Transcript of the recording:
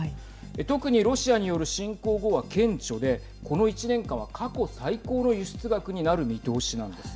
特にロシアによる侵攻後は顕著でこの１年間は過去最高の輸出額になる見通しなんです。